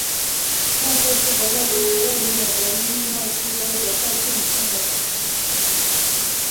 莫菲斯伯勒是一个位于美国伊利诺伊州杰克逊县的城市。